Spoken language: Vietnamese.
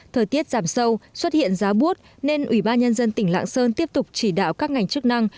thời tiết giảm sâu xuất hiện giá bút nên ủy ban nhân dân tỉnh lạng sơn tiếp tục chỉ đạo các ngành chức năng